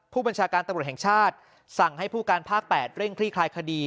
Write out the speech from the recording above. ผู้บัญชาการตำรวจแห่งชาติสั่งให้ผู้การภาค๘เร่งคลี่คลายคดี